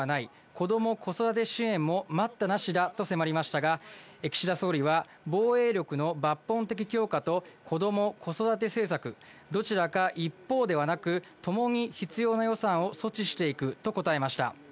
子ども・子育て支援も待ったなしだと迫りましたが、岸田総理は、防衛力の抜本的強化と、子ども・子育て政策、どちらか一方ではなく、ともに必要な予算を措置していくと答えました。